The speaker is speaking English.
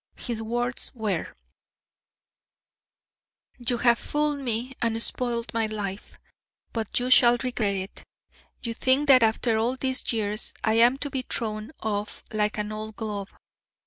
His words were: "'You have fooled me and spoilt my life, but you shall regret it. You think that after all these years I am to be thrown off like an old glove.